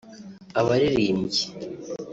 Abaririmbyi